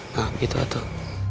nah gitu tuh